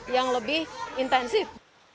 yang lebih intensif